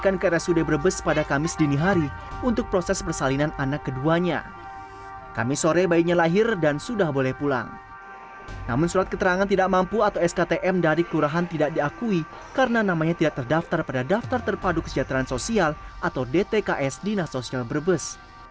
namun surat keterangan tidak mampu atau sktm dari kelurahan tidak diakui karena namanya tidak terdaftar pada daftar terpadu kesejahteraan sosial atau dtks dinas sosial brebes